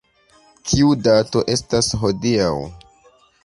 Kiu dato estas hodiaŭ?